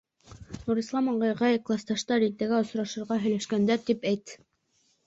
— Нурислам ағайға, класташтар иртәгә осрашырға һөйләшкәндәр, тип әйт.